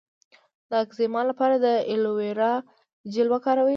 د اکزیما لپاره د ایلوویرا جیل وکاروئ